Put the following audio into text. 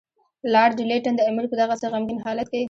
لارډ لیټن د امیر په دغسې غمګین حالت کې.